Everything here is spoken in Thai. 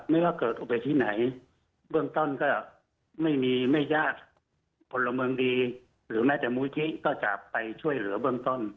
ไม่ว่าเกิดประเภทที่ไหนเบื้องต้นก็ไม่มีไม่ยากผลเมืองดีหรือแม้แต่มุยทิก็จะไปช่วยเหลือเบื้องต้น